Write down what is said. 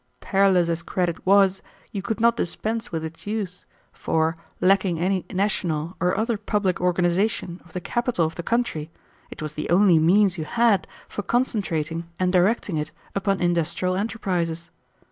Perilous as credit was, you could not dispense with its use, for, lacking any national or other public organization of the capital of the country, it was the only means you had for concentrating and directing it upon industrial enterprises.